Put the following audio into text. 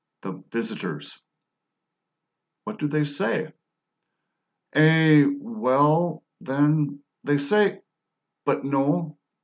"The visitors!" "What do they say?" "Eh, well, then, they say but no!"